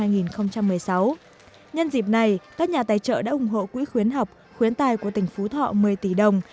năm hai nghìn một mươi sáu nhân dịp này các nhà tài trợ đã ủng hộ quỹ khuyến học khuyến tài của tỉnh phú thọ một mươi tỷ đồng